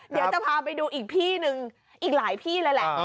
เดี๋ยวจะพาไปดูอีกพี่หนึ่งอีกหลายพี่เลยแหละ